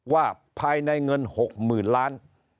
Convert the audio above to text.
ว่าภายในเงิน๖๐๐๐ล้าน